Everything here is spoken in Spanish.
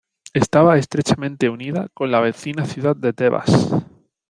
Estaba estrechamente unida con la vecina ciudad de Tebas.